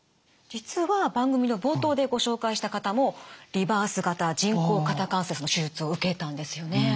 実は番組の冒頭でご紹介した方もリバース型人工肩関節の手術を受けたんですよね？